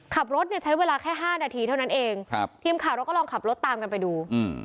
ขับรถใช้เวลาแค่๕นาทีเท่านั้นเองทีมข่าวก็ลองขับรถตามกันไปดู